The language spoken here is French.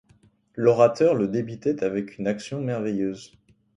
L’orateur le débitait avec une action merveilleuse.